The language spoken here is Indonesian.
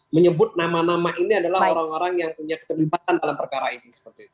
menyebut nama nama ini adalah orang orang yang punya keterlibatan dalam perkara ini